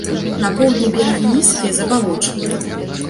На поўдні берагі нізкія, забалочаныя.